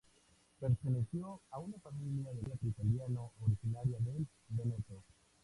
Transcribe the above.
Perteneció a una familia del teatro italiano originaria del Veneto.